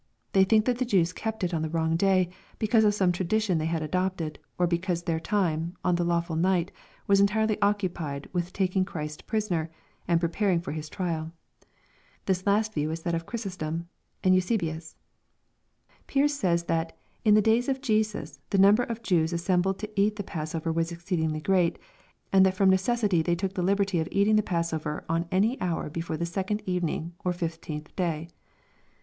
They think that the Jews kept it on the wrong day, beca.use of some tradition they had adopted, or because their time, on the lawful night, was entirely occupied with taking Christ prisoner, and preparing for His trial. This last view is that of Chi ysostom and Eusebius. 2. Pearce says, that " in the days of Jesus, the number of Jews assembled to eat the passover was exceedingly great, and that from necessity they took the liberty of eating the passover on any hour before the second evening, or fifteenth day."